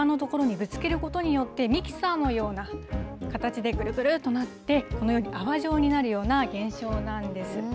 荒波がプランクトンの粘液を岩の所にぶつけることによって、ミキサーのような形でぐるぐるっと回って、このように泡状になるような現象なんです。